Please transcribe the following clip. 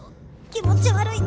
気持ち悪い！